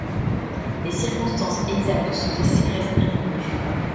Les circonstances exactes de son décès restent inconnues.